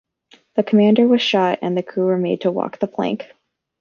The commander was shot and the crew were made to walk the plank.